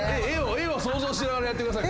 絵を想像しながらやってください。